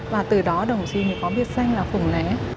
và từ đó đồng chí mới có biệt danh là phùng lễ